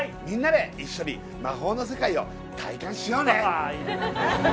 みんなで一緒に魔法の世界を体感しようね！